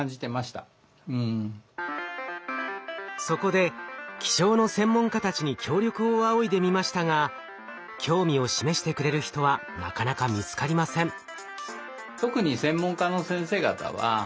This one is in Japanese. そこで気象の専門家たちに協力を仰いでみましたが興味を示してくれる人はなかなか見つかりません。